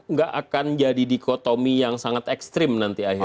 nggak akan jadi dikotomi yang sangat ekstrim nanti akhirnya